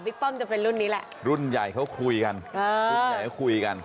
ป้อมจะเป็นรุ่นนี้แหละรุ่นใหญ่เขาคุยกันอ่ารุ่นใหญ่เขาคุยกัน